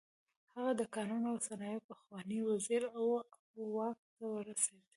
هغه د کانونو او صنایعو پخوانی وزیر و او واک ته ورسېد.